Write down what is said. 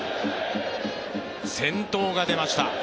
先頭が出ました。